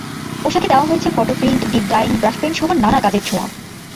পোশাকে দেওয়া হয়েছে photo print, dip dyeing, brush পেইন্টসহ নানা কাজের ছোঁয়া।